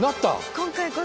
今回こそ。